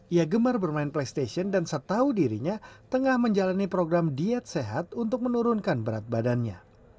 ia gemar bermain playstation dan setahu dirinya tengah menjalani program diet sehat untuk menurunkan berat badannya